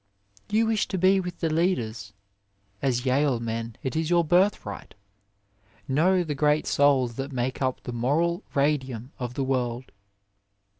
You wish to be with the leaders as Yale men it is your birthright know the great souls that make up the moral radium of the world.